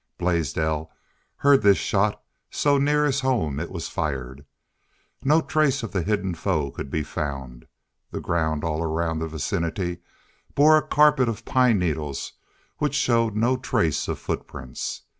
Blaisdell heard this shot, so near his home was it fired. No trace of the hidden foe could be found. The 'ground all around that vicinity bore a carpet of pine needles which showed no trace of footprints.